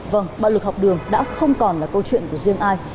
vâng bạo lực học đường đã không còn là câu chuyện của riêng ai